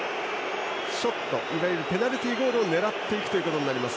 ショット、いわゆるペナルティーゴールを狙っていくことになります。